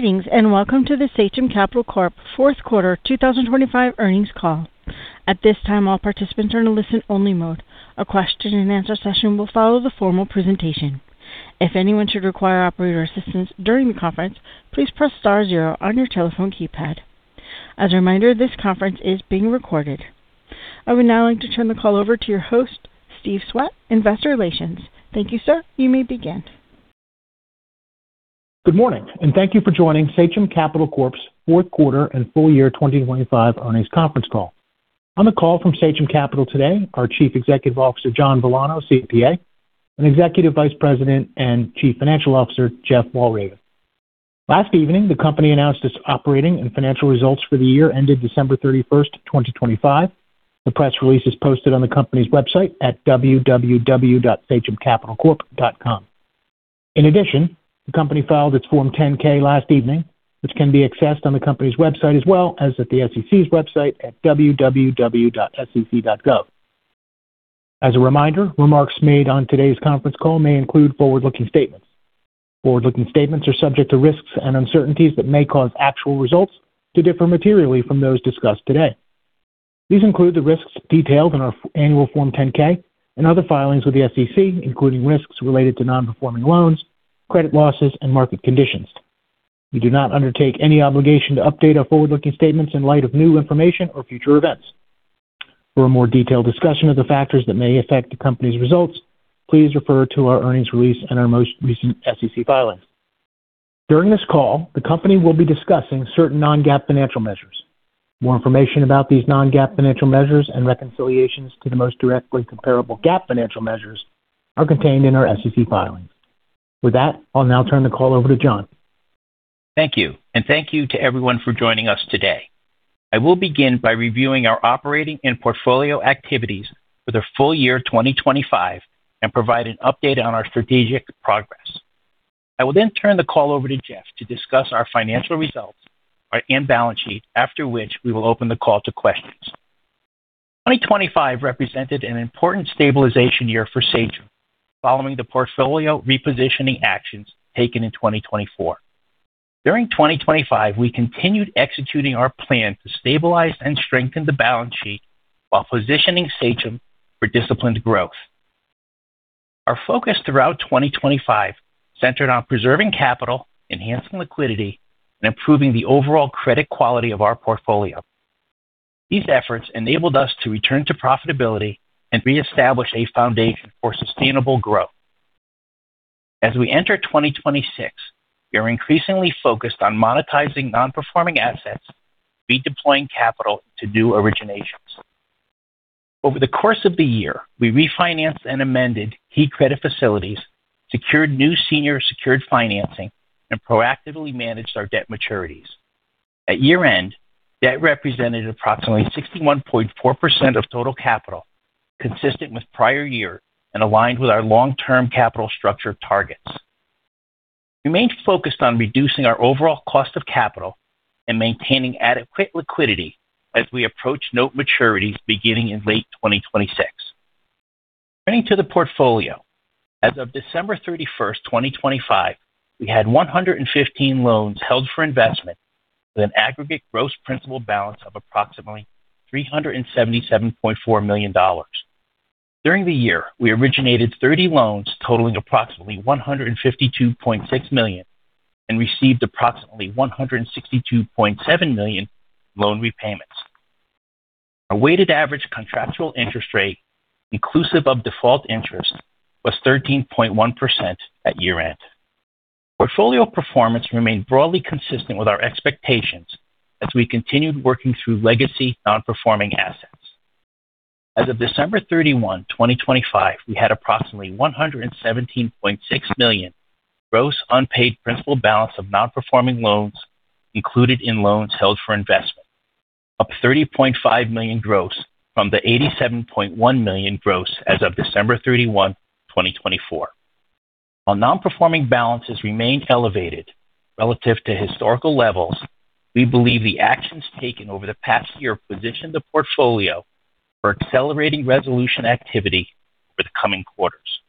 Greetings, and welcome to the Sachem Capital Corp. Q4 2025 Earnings Call. At this time, all participants are in a listen-only mode. A question-and-answer session will follow the formal presentation. If anyone should require operator assistance during the conference, please press star zero on your telephone keypad. As a reminder, this conference is being recorded. I would now like to turn the call over to your host, Stephen Swett, Investor Relations. Thank you, sir. You may begin. Good morning, and thank you for joining Sachem Capital Corp's Q4 and FY2025 Earnings Conference Call. On the call from Sachem Capital today, our Chief Executive Officer, John Villano, CPA, and Executive Vice President and Chief Financial Officer, Jeff Walraven. Last evening, the company announced its operating and financial results for the year ended December 31, 2025. The press release is posted on the company's website at www.sachemcapitalcorp.com. In addition, the company filed its Form 10-K last evening, which can be accessed on the company's website as well as at the SEC's website at www.sec.gov. As a reminder, remarks made on today's conference call may include forward-looking statements. Forward-looking statements are subject to risks and uncertainties that may cause actual results to differ materially from those discussed today. These include the risks detailed in our annual Form 10-K and other filings with the SEC, including risks related to non-performing loans, credit losses, and market conditions. We do not undertake any obligation to update our forward-looking statements in light of new information or future events. For a more detailed discussion of the factors that may affect the company's results, please refer to our earnings release and our most recent SEC filings. During this call, the company will be discussing certain non-GAAP financial measures. More information about these non-GAAP financial measures and reconciliations to the most directly comparable GAAP financial measures are contained in our SEC filings. With that, I'll now turn the call over to John. Thank you. Thank you to everyone for joining us today. I will begin by reviewing our operating and portfolio activities for the FY2025 and provide an update on our strategic progress. I will then turn the call over to Jeff to discuss our financial results and balance sheet, after which we will open the call to questions. 2025 represented an important stabilization year for Sachem following the portfolio repositioning actions taken in 2024. During 2025, we continued executing our plan to stabilize and strengthen the balance sheet while positioning Sachem for disciplined growth. Our focus throughout 2025 centered on preserving capital, enhancing liquidity, and improving the overall credit quality of our portfolio. These efforts enabled us to return to profitability and reestablish a foundation for sustainable growth. As we enter 2026, we are increasingly focused on monetizing non-performing assets, redeploying capital to new originations. Over the course of the year, we refinanced and amended key credit facilities, secured new senior secured financing, and proactively managed our debt maturities. At year-end, debt represented approximately 61.4% of total capital, consistent with prior year and aligned with our long-term capital structure targets. We remain focused on reducing our overall cost of capital and maintaining adequate liquidity as we approach note maturities beginning in late 2026. Turning to the portfolio, as of December 31, 2025, we had 115 loans held for investment with an aggregate gross principal balance of approximately $377.4 million. During the year, we originated 30 loans totaling approximately $152.6 million and received approximately $162.7 million loan repayments. Our weighted average contractual interest rate, inclusive of default interest, was 13.1% at year-end. Portfolio performance remained broadly consistent with our expectations as we continued working through legacy non-performing assets. As of December 31, 2025, we had approximately $117.6 million gross unpaid principal balance of non-performing loans included in loans held for investment, up $30.5 million gross from the $87.1 million gross as of December 31, 2024. While non-performing balances remain elevated relative to historical levels, we believe the actions taken over the past year positioned the portfolio for accelerating resolution activity for the coming quarters.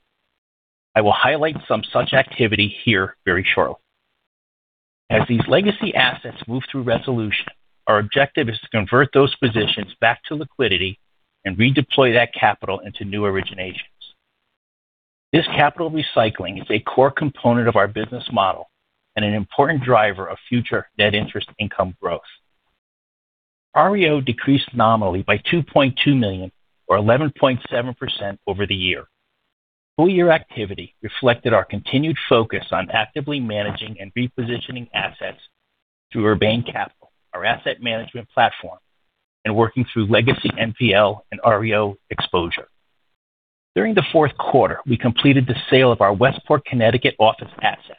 I will highlight some such activity here very shortly. As these legacy assets move through resolution, our objective is to convert those positions back to liquidity and redeploy that capital into new originations. This capital recycling is a core component of our business model and an important driver of future net interest income growth. REO decreased nominally by $2.2 million, or 11.7% over the year. Full year activity reflected our continued focus on actively managing and repositioning assets through Urbane Capital, our asset management platform, and working through legacy NPL and REO exposure. During the Q4, we completed the sale of our Westport, Connecticut office asset,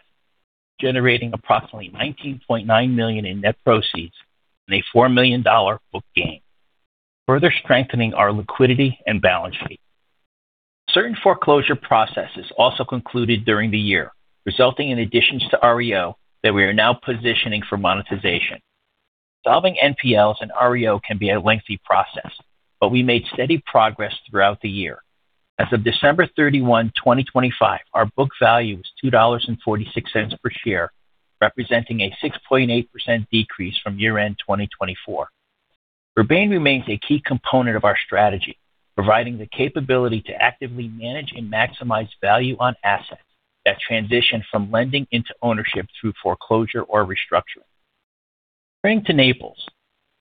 generating approximately $19.9 million in net proceeds and a $4 million book gain, further strengthening our liquidity and balance sheet. Certain foreclosure processes also concluded during the year, resulting in additions to REO that we are now positioning for monetization. Solving NPLs and REO can be a lengthy process, but we made steady progress throughout the year. As of December 31, 2025, our book value was $2.46 per share, representing a 6.8% decrease from year-end 2024. Urbane remains a key component of our strategy, providing the capability to actively manage and maximize value on assets that transition from lending into ownership through foreclosure or restructuring. Turning to Naples.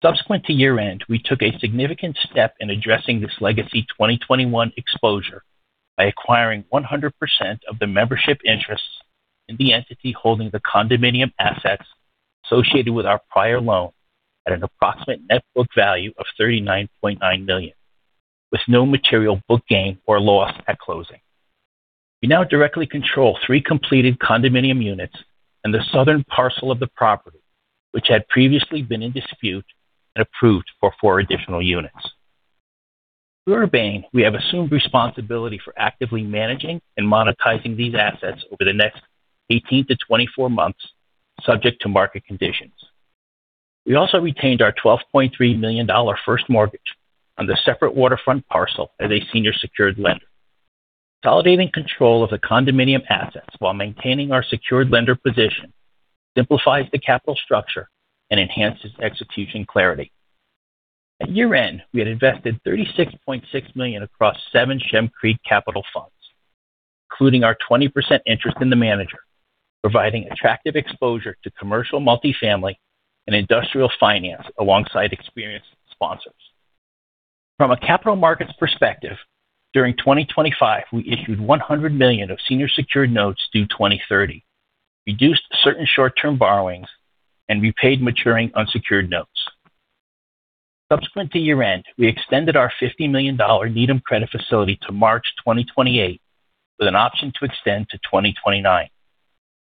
Subsequent to year-end, we took a significant step in addressing this legacy 2021 exposure by acquiring 100% of the membership interests in the entity holding the condominium assets associated with our prior loan at an approximate net book value of $39.9 million, with no material book gain or loss at closing. We now directly control three completed condominium units and the southern parcel of the property, which had previously been in dispute and approved for four additional units. Through Urbane, we have assumed responsibility for actively managing and monetizing these assets over the next 18 to 24 months, subject to market conditions. We also retained our $12.3 million first mortgage on the separate waterfront parcel as a senior secured lender. Consolidating control of the condominium assets while maintaining our secured lender position simplifies the capital structure and enhances execution clarity. At year-end, we had invested $36.6 million across seven Shem Creek Capital funds, including our 20% interest in the manager, providing attractive exposure to commercial multifamily and industrial finance alongside experienced sponsors. From a capital markets perspective, during 2025, we issued $100 million of senior secured notes due 2030, reduced certain short-term borrowings, and repaid maturing unsecured notes. Subsequent to year-end, we extended our $50 million Needham credit facility to March 2028 with an option to extend to 2029,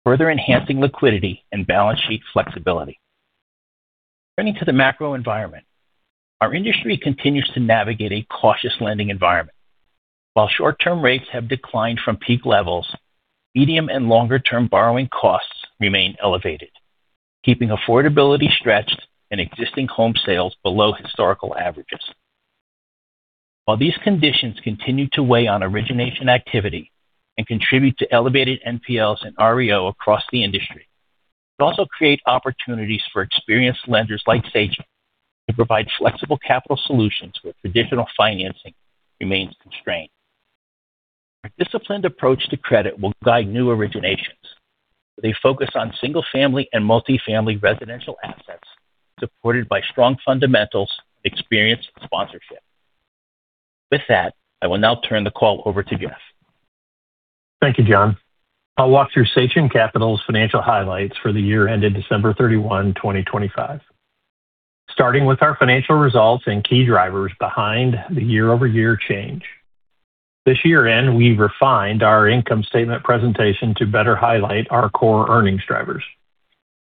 further enhancing liquidity and balance sheet flexibility. Turning to the macro environment. Our industry continues to navigate a cautious lending environment. While short-term rates have declined from peak levels, medium and longer-term borrowing costs remain elevated, keeping affordability stretched and existing home sales below historical averages. While these conditions continue to weigh on origination activity and contribute to elevated NPLs and REO across the industry, it also creates opportunities for experienced lenders like Sachem to provide flexible capital solutions where traditional financing remains constrained. Our disciplined approach to credit will guide new originations with a focus on single-family and multifamily residential assets supported by strong fundamentals, experienced sponsorship. With that, I will now turn the call over to Jeff. Thank you, John. I'll walk through Sachem Capital's financial highlights for the year ended December 31, 2025. Starting with our financial results and key drivers behind the year-over-year change. This year-end, we refined our income statement presentation to better highlight our core earnings drivers.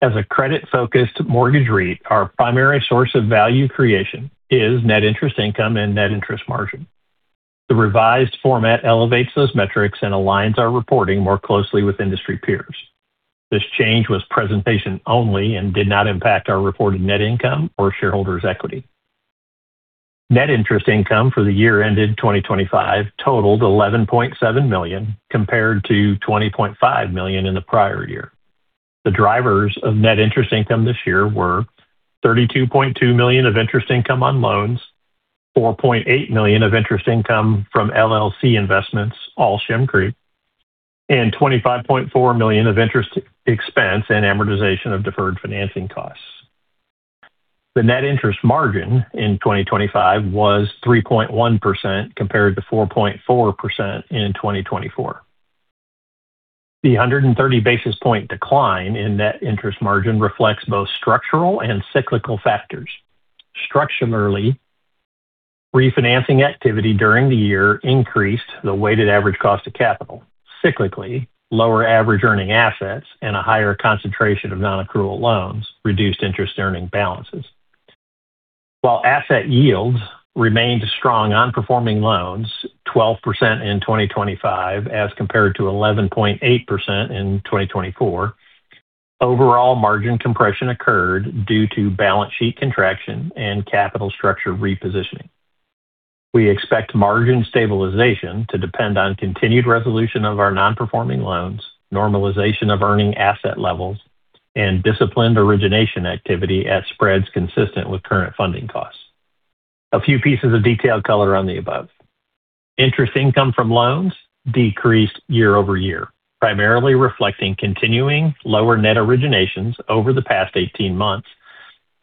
As a credit-focused mortgage REIT, our primary source of value creation is net interest income and net interest margin. The revised format elevates those metrics and aligns our reporting more closely with industry peers. This change was presentation only and did not impact our reported net income or shareholders' equity. Net interest income for the year ended 2025 totaled $11.7 million, compared to $20.5 million in the prior year. The drivers of net interest income this year were $32.2 million of interest income on loans, $4.8 million of interest income from LLC investments, all Shem Creek, and $25.4 million of interest expense and amortization of deferred financing costs. The net interest margin in 2025 was 3.1% compared to 4.4% in 2024. The 130 basis point decline in net interest margin reflects both structural and cyclical factors. Structurally, refinancing activity during the year increased the weighted average cost of capital. Cyclically, lower average earning assets and a higher concentration of non-accrual loans reduced interest earning balances. While asset yields remained strong on performing loans, 12% in 2025 as compared to 11.8% in 2024, overall margin compression occurred due to balance sheet contraction and capital structure repositioning. We expect margin stabilization to depend on continued resolution of our non-performing loans, normalization of earning asset levels, and disciplined origination activity at spreads consistent with current funding costs. A few pieces of detailed color on the above. Interest income from loans decreased year-over-year, primarily reflecting continuing lower net originations over the past 18 months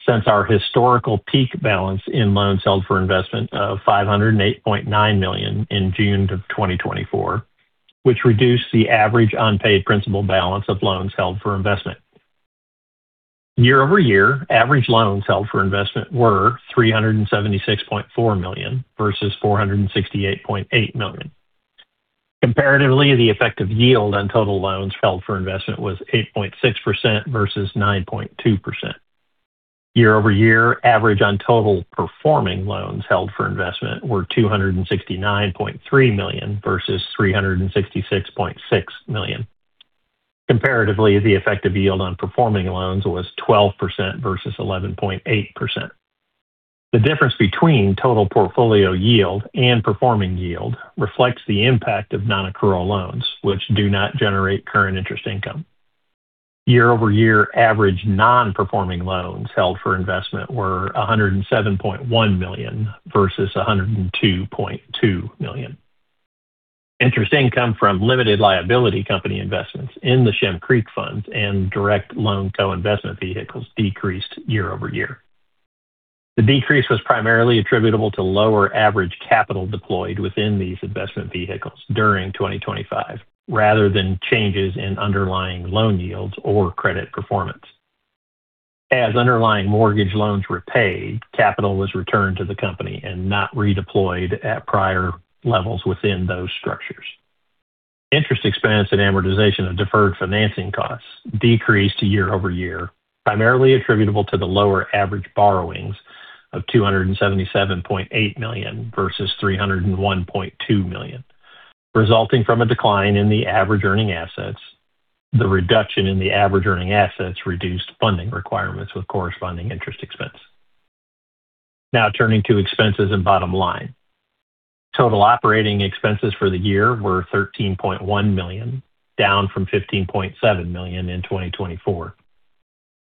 since our historical peak balance in loans held for investment of $508.9 million in June 2024, which reduced the average unpaid principal balance of loans held for investment. Year-over-year, average loans held for investment were $376.4 million versus $468.8 million. Comparatively, the effective yield on total loans held for investment was 8.6% versus 9.2%. Year-over-year, average on total performing loans held for investment were $269.3 million versus $366.6 million. Comparatively, the effective yield on performing loans was 12% versus 11.8%. The difference between total portfolio yield and performing yield reflects the impact of non-accrual loans, which do not generate current interest income. Year-over-year average non-performing loans held for investment were $107.1 million versus $102.2 million. Interest income from limited liability company investments in the Shem Creek Capital funds and direct loan co-investment vehicles decreased year-over-year. The decrease was primarily attributable to lower average capital deployed within these investment vehicles during 2025 rather than changes in underlying loan yields or credit performance. As underlying mortgage loans were paid, capital was returned to the company and not redeployed at prior levels within those structures. Interest expense and amortization of deferred financing costs decreased year over year, primarily attributable to the lower average borrowings of $277.8 million versus $301.2 million, resulting from a decline in the average earning assets. The reduction in the average earning assets reduced funding requirements with corresponding interest expense. Now turning to expenses and bottom line. Total operating expenses for the year were $13.1 million, down from $15.7 million in 2024.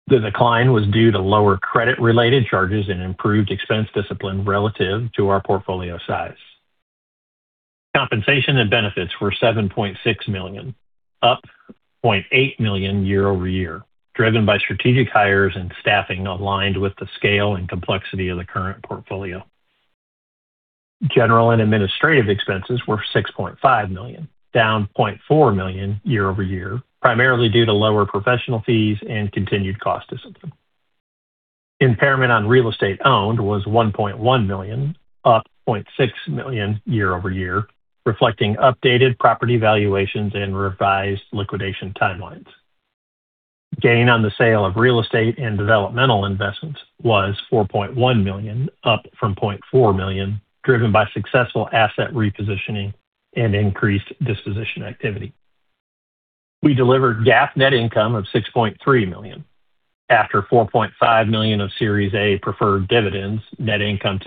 The decline was due to lower credit-related charges and improved expense discipline relative to our portfolio size. Compensation and benefits were $7.6 million, up $0.8 million year-over-year, driven by strategic hires and staffing aligned with the scale and complexity of the current portfolio. General and administrative expenses were $6.5 million, down $0.4 million year-over-year, primarily due to lower professional fees and continued cost discipline. Impairment on real estate owned was $1.1 million, up $0.6 million year-over-year, reflecting updated property valuations and revised liquidation timelines. Gain on the sale of real estate and developmental investments was $4.1 million, up from $0.4 million, driven by successful asset repositioning and increased disposition activity. We delivered GAAP net income of $6.3 million after $4.5 million of Series A preferred dividends. Net income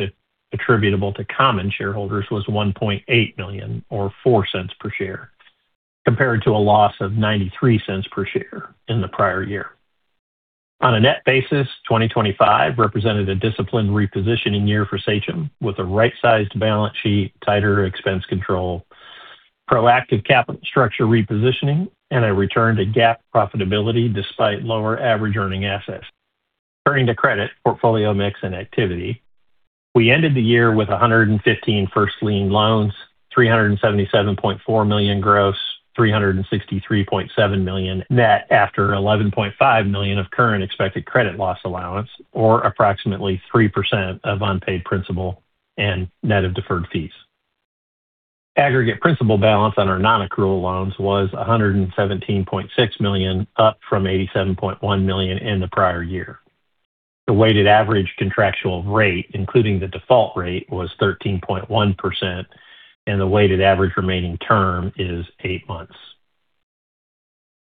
attributable to common shareholders was $1.8 million or $0.04 per share, compared to a loss of $0.93 per share in the prior year. On a net basis, 2025 represented a disciplined repositioning year for Sachem with a right-sized balance sheet, tighter expense control, proactive capital structure repositioning, and a return to GAAP profitability despite lower average earning assets. Turning to credit portfolio mix and activity. We ended the year with 115 first lien loans, $377.4 million gross, $363.7 million net after $11.5 million of current expected credit loss allowance, or approximately 3% of unpaid principal and net of deferred fees. Aggregate principal balance on our non-accrual loans was $117.6 million, up from $87.1 million in the prior year. The weighted average contractual rate, including the default rate, was 13.1% and the weighted average remaining term is eight months.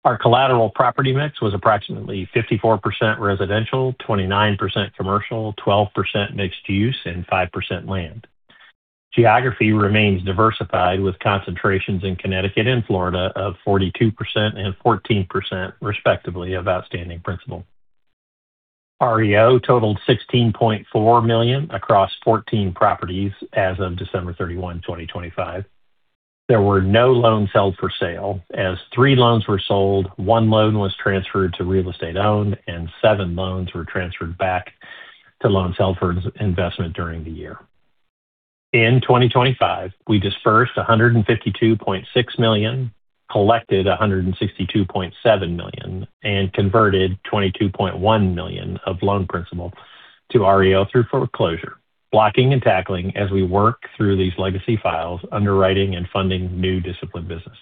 Our collateral property mix was approximately 54% residential, 29% commercial, 12% mixed use, and 5% land. Geography remains diversified, with concentrations in Connecticut and Florida of 42% and 14%, respectively, of outstanding principal. REO totaled $16.4 million across 14 properties as of December 31, 2025. There were no loans held for sale as three loans were sold, one loan was transferred to real estate owned, and seven loans were transferred back to loans held for investment during the year. In 2025, we disbursed $152.6 million, collected $162.7 million, and converted $22.1 million of loan principal to REO through foreclosure, blocking and tackling as we work through these legacy files, underwriting and funding new disciplined business.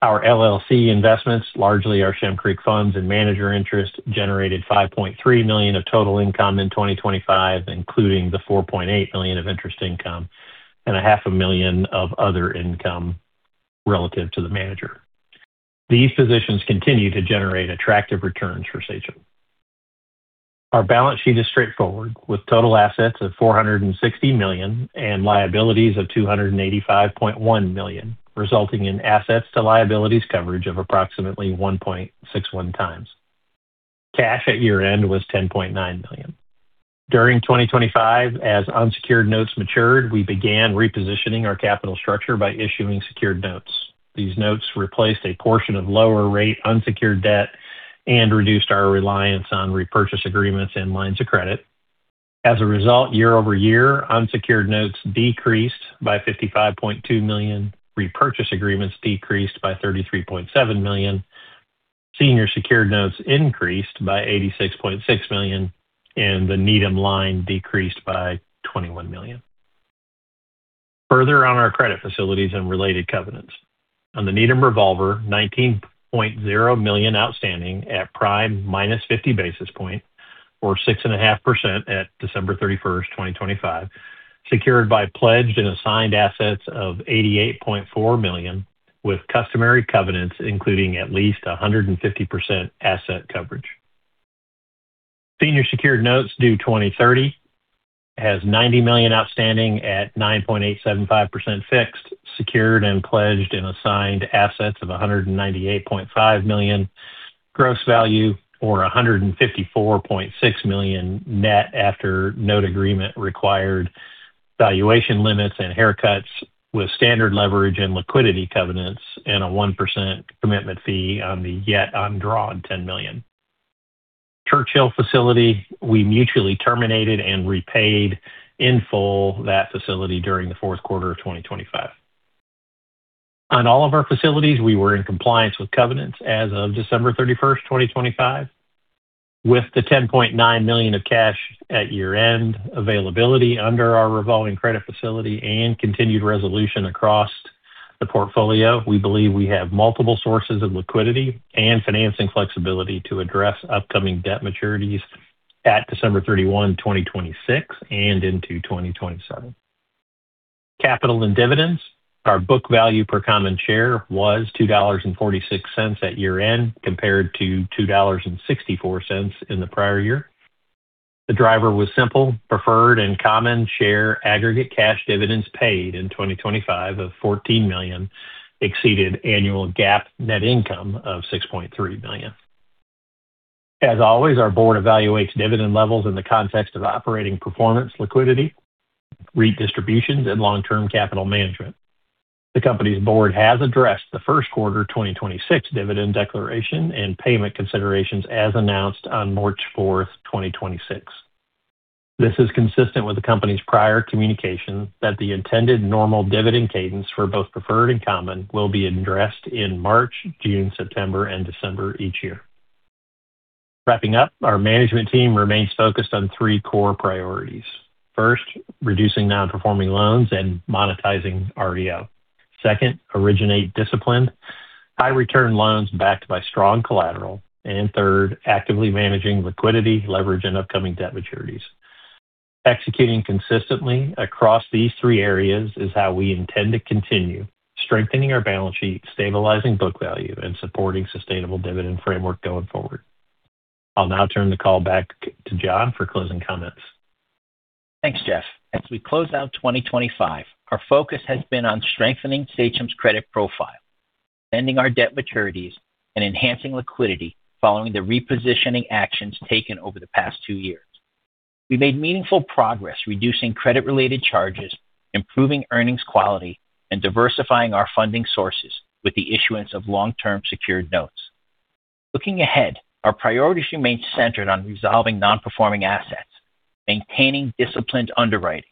Our LLC investments, largely our Shem Creek funds and manager interest, generated $5.3 million of total income in 2025, including the $4.8 million of interest income and a half a million of other income relative to the manager. These positions continue to generate attractive returns for Sachem. Our balance sheet is straightforward with total assets of $460 million and liabilities of $285.1 million, resulting in assets to liabilities coverage of approximately 1.61 times. Cash at year-end was $10.9 million. During 2025, as unsecured notes matured, we began repositioning our capital structure by issuing secured notes. These notes replaced a portion of lower rate unsecured debt and reduced our reliance on repurchase agreements and lines of credit. As a result, year-over-year, unsecured notes decreased by $55.2 million. Repurchase agreements decreased by $33.7 million. Senior secured notes increased by $86.6 million. The Needham line decreased by $21 million. Further on our credit facilities and related covenants. On the Needham revolver, $19.0 million outstanding at prime minus 50 basis points, or 6.5% at December 31, 2025, secured by pledged and assigned assets of $88.4 million, with customary covenants including at least 150% asset coverage. Senior secured notes due 2030 has $90 million outstanding at 9.875% fixed, secured and pledged and assigned assets of $198.5 million gross value, or $154.6 million net after note agreement required valuation limits and haircuts with standard leverage and liquidity covenants and a 1% commitment fee on the yet undrawn $10 million. Churchill facility, we mutually terminated and repaid in full that facility during the fourth quarter of 2025. On all of our facilities we were in compliance with covenants as of December 31, 2025. With the $10.9 million of cash at year-end availability under our revolving credit facility and continued resolution across the portfolio, we believe we have multiple sources of liquidity and financing flexibility to address upcoming debt maturities at December 31, 2026 and into 2027. Capital and dividends. Our book value per common share was $2.46 at year-end compared to $2.64 in the prior year. The driver was simple. Preferred and common share aggregate cash dividends paid in 2025 of $14 million exceeded annual GAAP net income of $6.3 billion. As always, our board evaluates dividend levels in the context of operating performance, liquidity, redistributions and long-term capital management. The company's board has addressed the first quarter 2026 dividend declaration and payment considerations as announced on March 4, 2026. This is consistent with the company's prior communication that the intended normal dividend cadence for both preferred and common will be addressed in March, June, September and December each year. Wrapping up, our management team remains focused on three core priorities. First, reducing non-performing loans and monetizing REO. Second, originate disciplined high return loans backed by strong collateral. Third, actively managing liquidity, leverage and upcoming debt maturities. Executing consistently across these three areas is how we intend to continue strengthening our balance sheet, stabilizing book value and supporting sustainable dividend framework going forward. I'll now turn the call back to John for closing comments. Thanks, Jeff. As we close out 2025, our focus has been on strengthening Sachem's credit profile, extending our debt maturities and enhancing liquidity following the repositioning actions taken over the past two years. We made meaningful progress reducing credit-related charges, improving earnings quality, and diversifying our funding sources with the issuance of long-term secured notes. Looking ahead, our priorities remain centered on resolving non-performing assets, maintaining disciplined underwriting,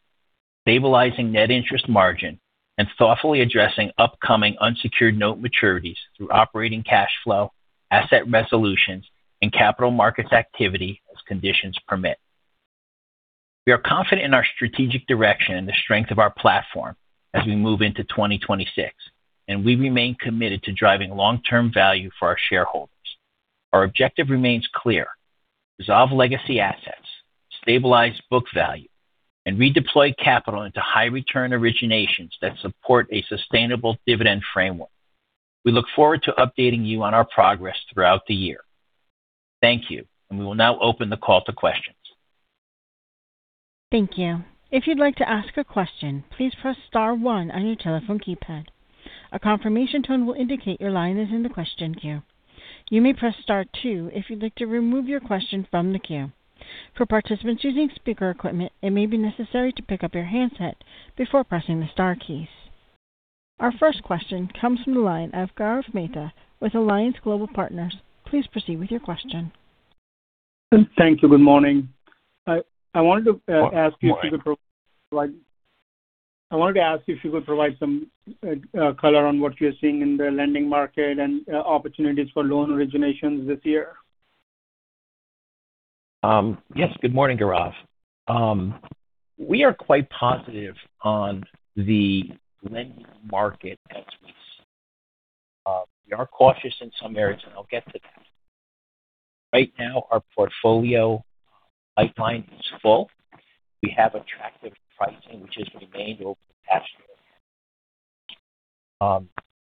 stabilizing net interest margin, and thoughtfully addressing upcoming unsecured note maturities through operating cash flow, asset resolutions and capital markets activity as conditions permit. We are confident in our strategic direction and the strength of our platform as we move into 2026, and we remain committed to driving long-term value for our shareholders. Our objective remains clear, resolve legacy assets, stabilize book value, and redeploy capital into high return originations that support a sustainable dividend framework. We look forward to updating you on our progress throughout the year. Thank you. We will now open the call to questions. Thank you. If you'd like to ask a question, please press star one on your telephone keypad. A confirmation tone will indicate your line is in the question queue. You may press star two if you'd like to remove your question from the queue. For participants using speaker equipment, it may be necessary to pick up your handset before pressing the star keys. Our first question comes from the line of Gaurav Mehta with Alliance Global Partners. Please proceed with your question. Thank you. Good morning. I wanted to ask you if you could provide some color on what you're seeing in the lending market and opportunities for loan originations this year? Yes, good morning, Gaurav. We are quite positive on the lending market as we speak. We are cautious in some areas and I'll get to that. Right now our portfolio pipeline is full. We have attractive pricing which has remained over the past year.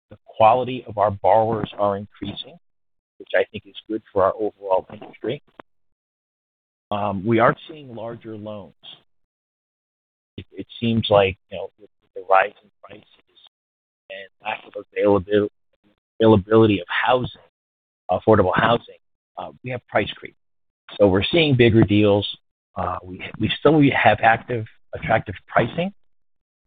The quality of our borrowers are increasing, which I think is good for our overall industry. We are seeing larger loans. It seems like, you know, with the rise in prices and lack of availability of housing, affordable housing, we have price creep. We're seeing bigger deals. We still have active attractive pricing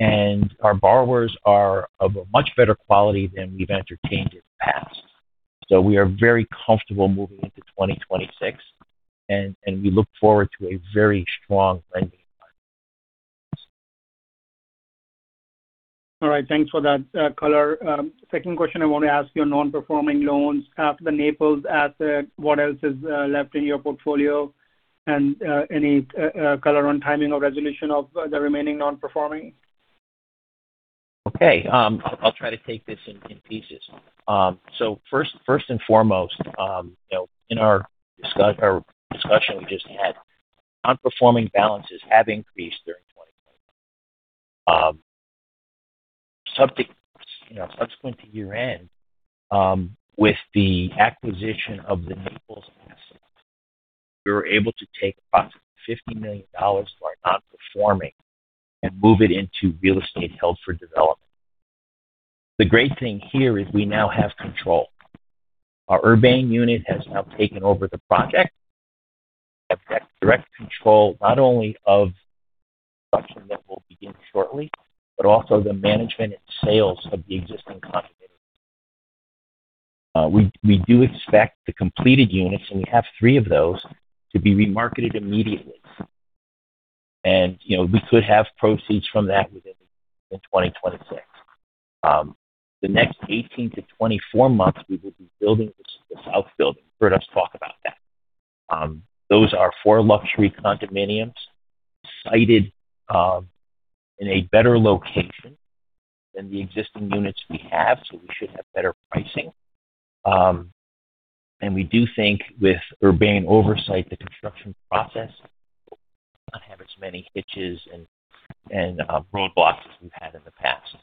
and our borrowers are of a much better quality than we've entertained in the past. We are very comfortable moving into 2026 and we look forward to a very strong lending environment. All right. Thanks for that, color. Second question I want to ask you on non-performing loans. After the Naples asset, what else is left in your portfolio? Any color on timing or resolution of the remaining non-performing? I'll try to take this in pieces. First and foremost in our discussion we just had, non-performing balances have increased during 2020. Subsequent to year-end with the acquisition of the Naples assets, we were able to take approximately $50 million from our non-performing and move it into real estate held for development. The great thing here is we now have control. Our Urbane unit has now taken over the project. We have direct control not only of the construction that will begin shortly, but also the management and sales of the existing condominiums. We do expect the completed units, and we have three of those to be remarketed immediately. We could have proceeds from that within 2026. The next 18 to 24 months, we will be building the South building. You've heard us talk about that. Those are four luxury condominiums sited in a better location than the existing units we have. We should have better pricing. We do think with Urbane oversight, the construction process will not have as many hitches and roadblocks as we've had in the past.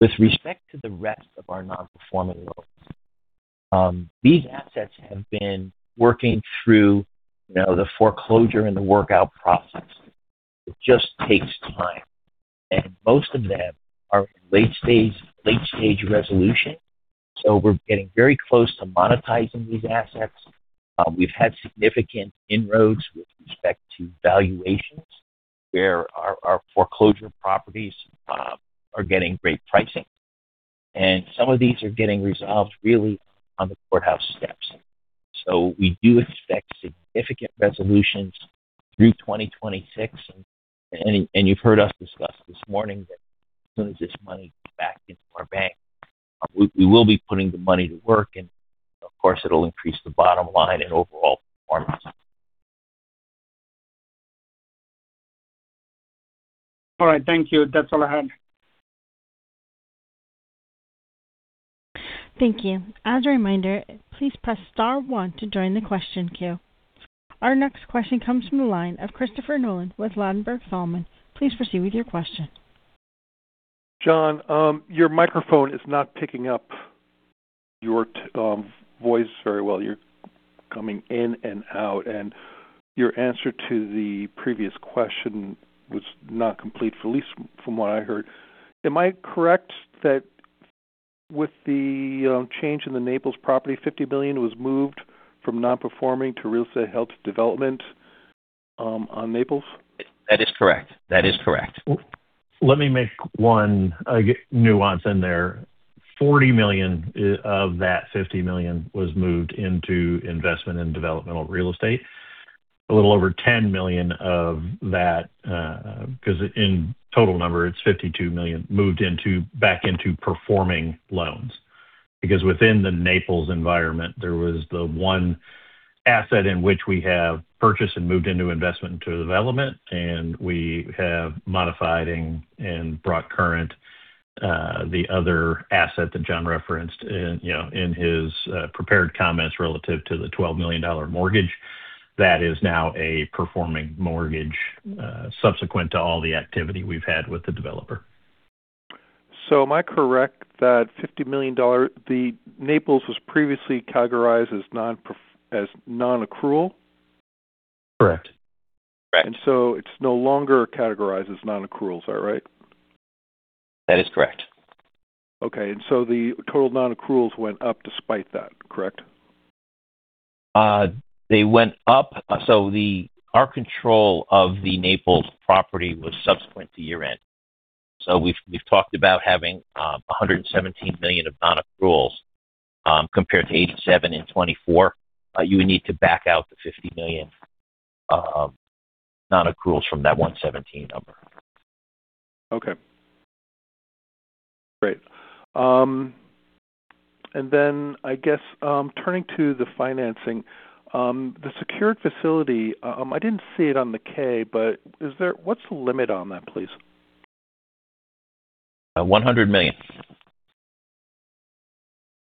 With respect to the rest of our non-performing loans, these assets have been working through the foreclosure and the workout process. It just takes time. Most of them are late-stage resolution. We're getting very close to monetizing these assets. We've had significant inroads with respect to valuations, where our foreclosure properties are getting great pricing. Some of these are getting resolved really on the courthouse steps. We do expect significant resolutions through 2026. You've heard us discuss this morning that as soon as this money gets back into our bank, we will be putting the money to work and of course it'll increase the bottom line and overall performance. All right, thank you. That's all I had. Thank you. As a reminder, please press star one to join the question queue. Our next question comes from the line of Christopher Nolan with Ladenburg Thalmann. Please proceed with your question. John, your microphone is not picking up your voice very well. You're coming in and out, and your answer to the previous question was not complete, at least from what I heard. Am I correct that with the change in the Naples property, $50 million was moved from non-performing to real estate held to development on Naples? That is correct. Let me make one nuance in there. $40 million of that $50 million was moved into investment in developmental real estate. A little over $10 million of that, because in total number it's $52 million, moved back into performing loans. Because within the Naples environment there was the one asset in which we have purchased and moved into investment into development, and we have modified and brought current the other asset that John referenced in his prepared comments relative to the $12 million mortgage that is now a performing mortgage subsequent to all the activity we've had with the developer. Am I correct that $50 million, the Naples, was previously categorized as non-accrual? Correct. It's no longer categorized as non-accruals. Is that right? That is correct. Okay. The total non-accruals went up despite that, correct? Our control of the Naples property was subsequent to year-end. We've talked about having $117 million of non-accruals compared to $87 million in 2024. You would need to back out the $50 million non-accruals from that 117 number. Okay. Great. I guess turning to the financing, the secured facility, I didn't see it on the K, but what's the limit on that, please? $100 million.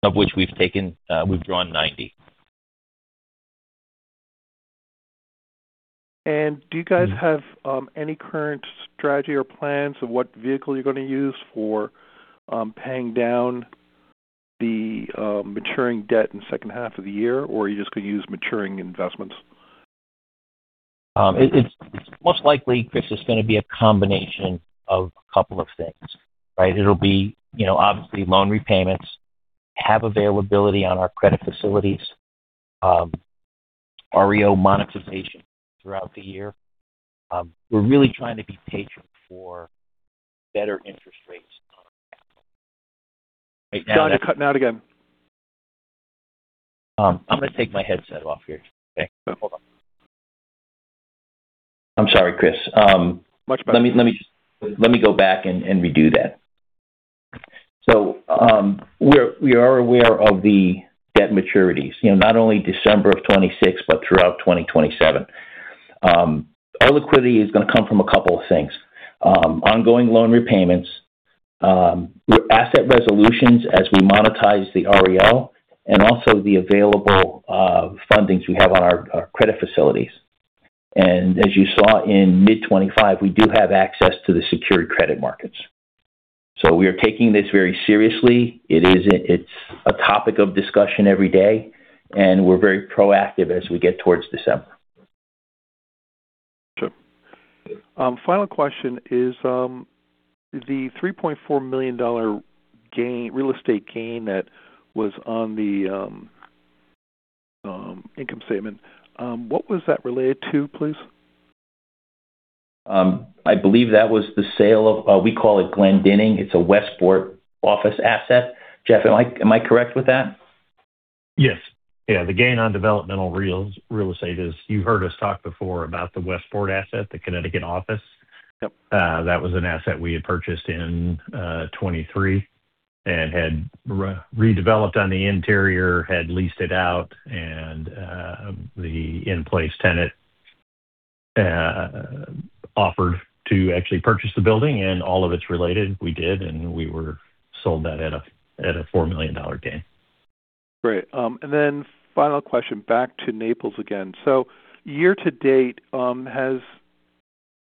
Of which we've drawn $90 million. Do you guys have any current strategy or plans of what vehicle you're gonna use for paying down the maturing debt in the second half of the year? Or are you just going to use maturing investments? It's most likely, Chris. It's gonna be a combination of a couple of things, right? It'll be obviously loan repayments, have availability on our credit facilities, REO monetization throughout the year. We're really trying to be patient for better interest rates on our capital. John, you're cutting out again. I'm going to take my headset off here. Okay. Hold on. I'm sorry, Chris. Much better. Let me go back and redo that. We're aware of the debt maturities not only December of 2026 but throughout 2027. Our liquidity is gonna come from a couple of things. Ongoing loan repayments through asset resolutions as we monetize the REO and also the available fundings we have on our credit facilities. As you saw in mid-2025, we do have access to the secured credit markets. We are taking this very seriously. It is a topic of discussion every day, and we're very proactive as we get towards December. Sure. Final question is, the $3.4 million real estate gain that was on the income statement, what was that related to, please? I believe that was the sale of, we call it Glendinning. It's a Westport office asset. Jeff, am I correct with that? Yes. Yeah, the gain on developmental real estate is, you heard us talk before about the Westport asset, the Connecticut office. Yep. That was an asset we had purchased in 2023 and had redeveloped on the interior, had leased it out, and the in-place tenant offered to actually purchase the building. All of its related, we did, and we sold that at a $4 million gain. Great. Final question back to Naples again. Year to date,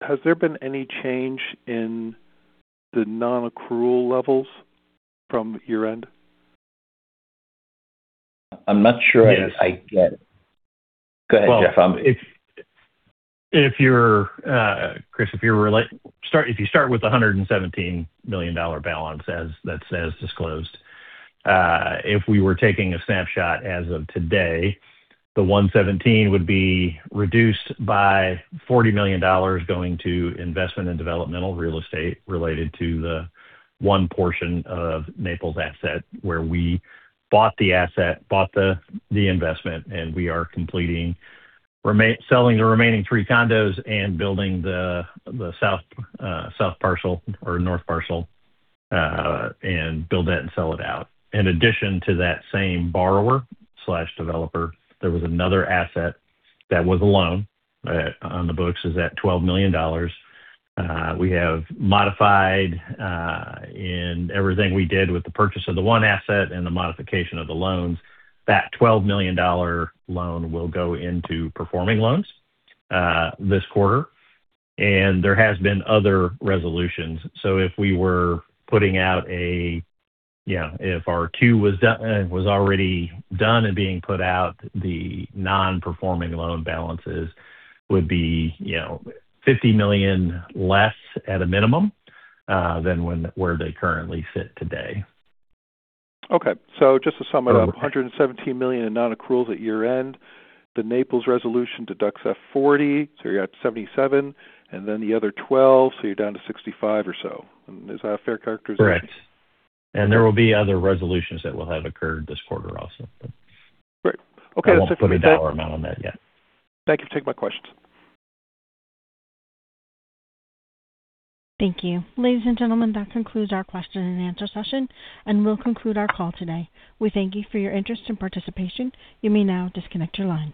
has there been any change in the nonaccrual levels from your end? I'm not sure I get. Go ahead, Jeff. If you start with the $117 million balance as disclosed, if we were taking a snapshot as of today, the $117 million would be reduced by $40 million going to investment and developmental real estate related to one portion of the Naples asset where we bought the asset, bought the investment, and we are selling the remaining three condos and building the south parcel or north parcel, and build that and sell it out. In addition to that same borrower/developer, there was another asset that was a loan on the books at $12 million. We have modified in everything we did with the purchase of the one asset and the modification of the loans. That $12 million loan will go into performing loans this quarter. There has been other resolutions. If our Q2 was already done and being put out, the non-performing loan balances would be $50 million less at a minimum than where they currently sit today. Okay. Just to sum it up, $117 million in nonaccruals at year-end. The Naples resolution deducts $40 million, so you're at $77 million. Then the other $12 million, so you're down to $65 million or so. Is that a fair characterization? Correct. There will be other resolutions that will have occurred this quarter also. Great. Okay. That's it for me. I won't put a dollar amount on that yet. Thank you. Take my questions. Thank you. Ladies and gentlemen, that concludes our question and answer session. We'll conclude our call today. We thank you for your interest and participation. You may now disconnect your line.